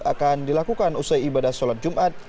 akan dilakukan usai ibadah sholat jumat